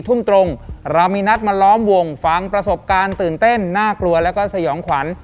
ทุ่มตรงเรามีนัดมาล้อมวงฟังประสบการณ์ตื่นเต้นน่ากลัวแล้วก็สยองขวัญ